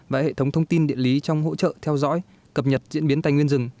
và hệ thống thông tin điện lý trong hỗ trợ theo dõi cập nhật diễn biến tài nguyên rừng